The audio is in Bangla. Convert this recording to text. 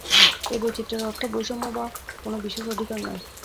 এই বৈচিত্র্যের অর্থ বৈষম্য বা কোন বিশেষ অধিকার নয়।